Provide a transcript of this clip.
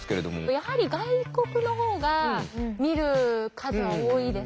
やはり外国のほうが見る数は多いです